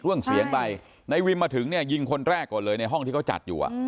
เรื่องเสียงไปนายวิมมาถึงเนี่ยยิงคนแรกก่อนเลยในห้องที่เขาจัดอยู่